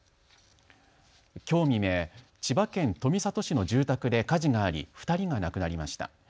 きょう未明、千葉県富里市の住宅で火事があり２人が亡くなりました。